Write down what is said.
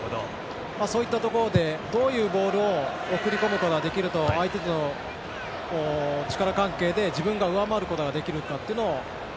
そういったところでどういうボールを送り込むことができると相手との力関係で自分が上回ることができるかということを。